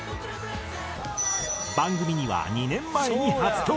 番組には２年前に初登場！